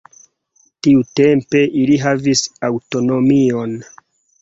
Tiutempe ili havis aŭtonomion.